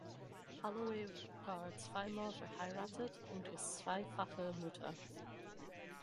Holloway war zweimal verheiratet und ist zweifache Mutter.